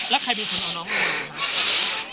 แล้วใครมีคนเอาน้อง